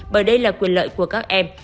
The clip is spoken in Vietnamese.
bởi đây là quyền lợi của các em